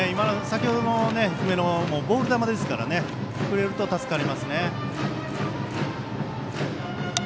先ほどの低めもボール球ですから振ってくれると助かりますね。